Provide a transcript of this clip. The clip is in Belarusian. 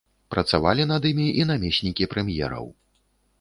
Працавалі над імі і намеснікі прэм'ераў.